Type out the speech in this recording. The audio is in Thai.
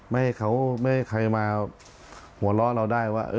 ไม่ให้เขาไม่ให้ใครมาหัวเราะเราได้ว่า